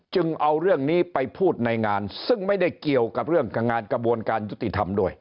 เอาเรื่องนี้ไปพูดในงานซึ่งไม่ได้เกี่ยวกับเรื่องงานกระบวนการยุติธรรมด้วย